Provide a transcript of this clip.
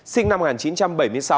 sinh năm một nghìn chín trăm bảy mươi sáu